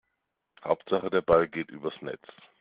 Hauptsache der Ball geht übers Netz.